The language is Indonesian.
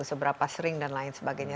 seberapa sering dan lain sebagainya